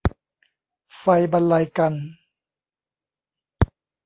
ไฟบรรลัยกัลป์